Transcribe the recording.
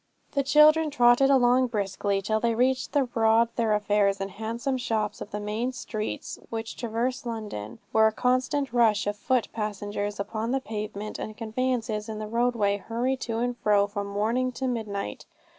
The children trotted along briskly till they reached the broad thoroughfares and handsome shops of the main streets which traverse London, where a constant rush of foot passengers upon the pavement, and of conveyances in the roadway, hurry to and fro from morning to midnight.